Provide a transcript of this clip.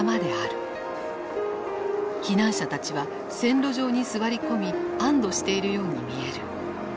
避難者たちは線路上に座り込み安どしているように見える。